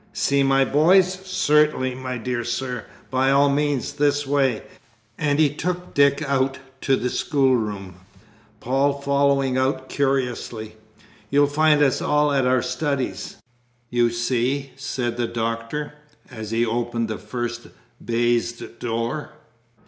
"See my boys? Certainly, my dear sir, by all means; this way," and he took Dick out to the schoolroom Paul following out of curiosity. "You'll find us at our studies, you see," said the Doctor, as he opened the first baize door.